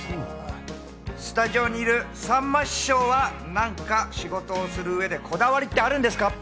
スタジオにいるさんま師匠は何か仕事をする上でこだわりってあるんですか？